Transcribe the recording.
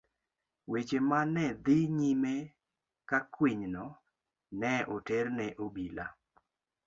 Weche ma ne dhi nyime ka kwinyno ne oter ne obila.